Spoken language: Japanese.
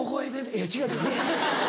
いや違う違う違う。